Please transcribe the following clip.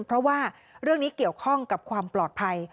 เพราะว่าเรื่องนี้เกี่ยวข้องกับความปลอดภัย